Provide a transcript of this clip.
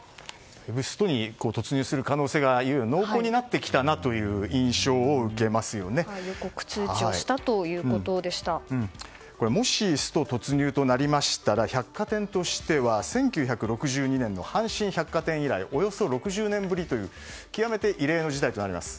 ストに突入する可能性がいよいよ濃厚になってきた予告通知をしたこれ、もしスト突入となると百貨店としては１９６２年の阪神百貨店以来およそ６０年ぶりという極めて異例の事態となります。